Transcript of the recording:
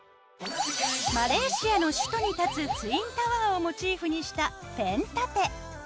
マレーシアの首都に立つツインタワーをモチーフにしたペン立て。